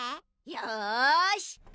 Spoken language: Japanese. よし。